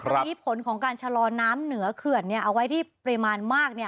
ทำผิดผลของการชะลอน้ำเหนือเขื่อนเนี่ยเอาไว้ที่ปริมาณมากเนี่ย